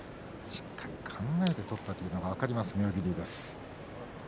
しっかり考えて取ったというのが分かります妙義龍です。